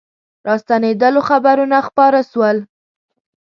راستنېدلو خبرونه خپاره سول.